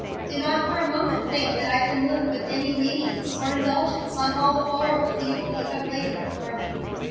Do not for a moment think that I can look with any lenience or indulgence on all the horrible evil you have laid before me.